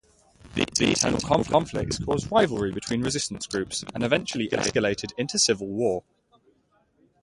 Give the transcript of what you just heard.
These internal conflicts caused rivalry between resistance groups and eventually escalated into civil war.